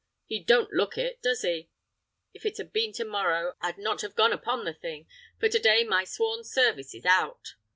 He don't look it, does he? If it had been to morrow I'd not have gone upon the thing, for to day my sworn service is out."